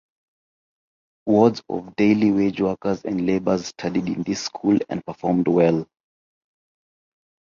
Wards of daily wage workers and labours studied in this school and performed well.